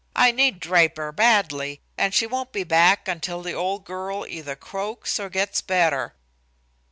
I need Draper badly, and she won't be back until the old girl either croaks or gets better."